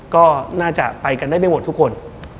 ก็น่าจะไปกันได้ไม่หมดทุกคน